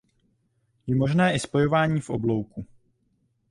Je možné i spojování v oblouku.